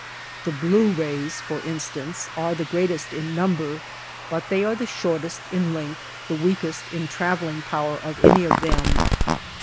The blue rays, for instance, are the greatest in number ; but they are the shortest in length, the weakest in travelling power of any of them.